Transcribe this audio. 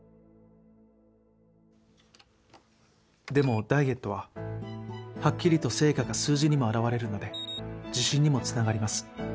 でもダイエットははっきりと成果が数字にも表れるので自信にも繋がります。